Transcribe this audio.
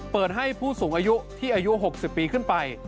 เปิดให้ผู้สูงอายุที่อายุ๖๐ปีขึ้นไป